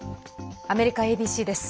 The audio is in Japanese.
アメリカＡＢＣです。